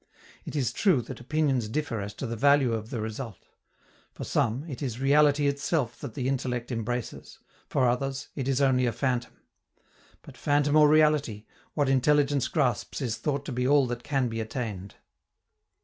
It is true that opinions differ as to the value of the result. For some, it is reality itself that the intellect embraces; for others, it is only a phantom. But, phantom or reality, what intelligence grasps is thought to be all that can be attained.